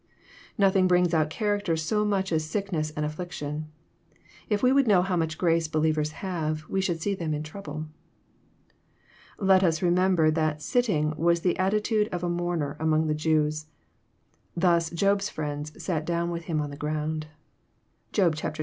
Nothing brings out character so much as sickness and affliction. If we would know how much grace believers have, we should see them in trouble. Let us remember that ''sitting" was the attitude of a mourner, among the Jews. Thus Job's fHends " sat down with him on the ground." (Job ii. 13.)